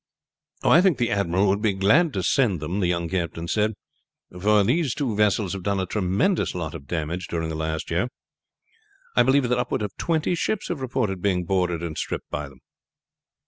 "I think the admiral would be glad to send them," the younger captain said; "for these two vessels have done a tremendous lot of damage during the last year. I believe that upward of twenty ships have reported being boarded and stripped by them."